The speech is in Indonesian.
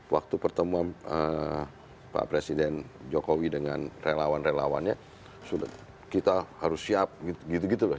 waktu pertemuan pak presiden jokowi dengan relawan relawannya sudah kita harus siap gitu gitu loh